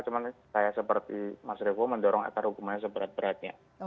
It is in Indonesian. cuma saya seperti mas revo mendorong agar hukumannya seberat beratnya